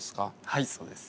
はいそうです。